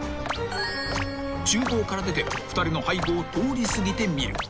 ［厨房から出て２人の背後を通り過ぎてみる］